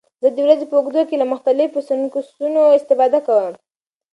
زه د ورځې په اوږدو کې له مختلفو سنکسونو استفاده کوم.